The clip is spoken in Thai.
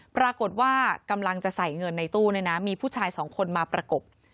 ปรากฏว่ากำลังจะใส่เงินในตู้เนี่ยนะมีผู้ชายสองคนมาประกบ